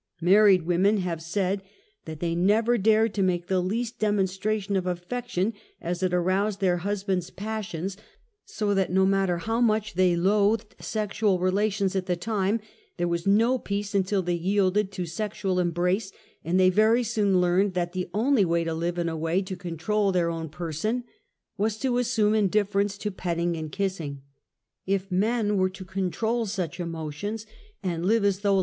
\ /Married women have said that they never dared to ^ make the least demonstration of affection, as it aroused their husband's passions so that no matter how much they loathed sexual relations at the time, •'k; there was no peace until they yielded to sexual em brace, and they very soon learned that the only way to live in a way to control their own person was to assume indifference to petting and kissing. If men were to control such emotions and live as though KISSING.